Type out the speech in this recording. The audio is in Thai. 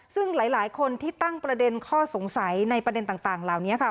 ซึ่งหลายคนที่ตั้งประเด็นข้อสงสัยในประเด็นต่างเหล่านี้ค่ะ